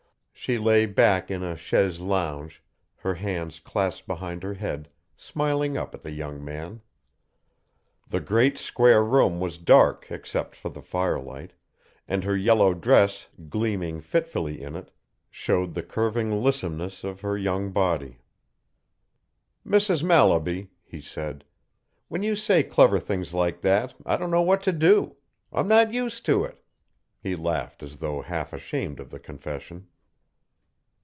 She lay back in a chaise longue, her hands clasped behind her head, smiling up at the young man. The great square room was dark except for the firelight, and her yellow dress, gleaming fitfully in it, showed the curving lissomeness of her young body. "Mrs. Mallaby," he said, "when you say clever things like that I don't know what to do. I'm not used to it." He laughed as though half ashamed of the confession.